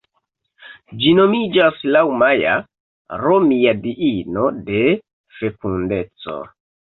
Ĝi nomiĝas laŭ Maja, romia diino de fekundeco.